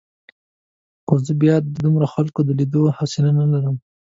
خو زه بیا د دومره خلکو د لیدو حوصله نه لرم.